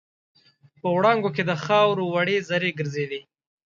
په وړانګو کې د خاوور وړې زرې ګرځېدې.